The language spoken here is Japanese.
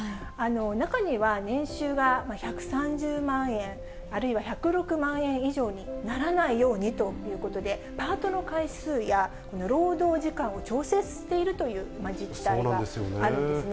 中には年収が１３０万円、あるいは１０６万円以上にならないようにということで、パートの回数や、労働時間を調整しているという実態があるんですね。